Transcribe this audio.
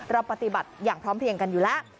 เราปฏิบัติอย่างพร้อมเพียงกันอยู่แล้ว